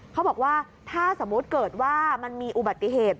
เขาบอกว่าถ้าสมมุติเกิดว่ามันมีอุบัติเหตุ